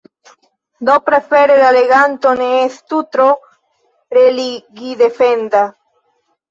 Do prefere la leganto ne estu tro religidefenda.